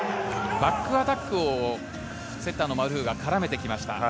バックアタックをセッターのマルーフが絡めてきました。